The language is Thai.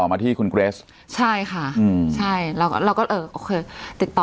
มาที่คุณเกรสใช่ค่ะอืมใช่เราก็เราก็เออโอเคติดต่อ